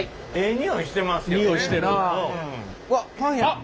うわっパンや。